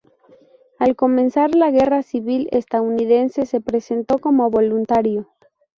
Al comenzar la Guerra Civil Estadounidense se presentó como voluntario.